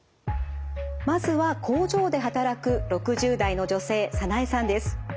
まずは工場で働く６０代の女性サナエさんです。